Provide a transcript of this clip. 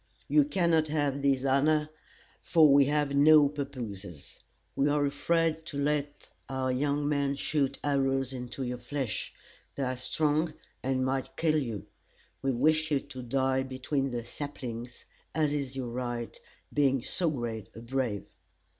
You cannot have this honor, for we have no pappooses. We are afraid to let our young men shoot arrows into your flesh. They are strong, and might kill you. We wish you to die between the saplings, as is your right, being so great a brave.